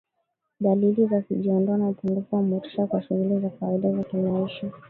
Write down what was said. dalili za kujiondoa na upungufu wa motisha kwa shughuli za kawaida za kimaisha